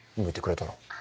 むいてくれたら。